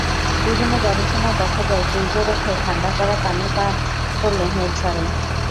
বিভিন্ন গবেষণায় দেখা যায়, ফ্রিজে রেখে ঠান্ডা করা পানি পান করলে মেদ ঝরে।